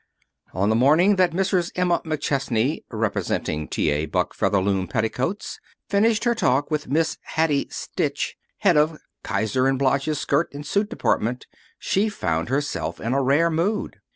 On the morning that Mrs. Emma McChesney (representing T. A. Buck, Featherloom Petticoats) finished her talk with Miss Hattie Stitch, head of Kiser & Bloch's skirt and suit department, she found herself in a rare mood.